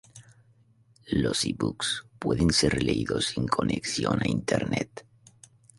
Los e-books pueden ser leídos sin conexión a internet.